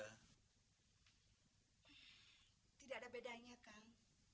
hai tidak ada bedanya kang